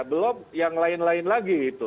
belum yang lain lain lagi itu